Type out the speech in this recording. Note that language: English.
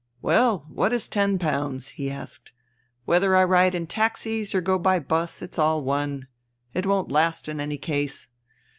" Well, what is ten pounds ?" he asked. " Whether I ride in taxis or go by 'bus, it's all one. It won't last in any case.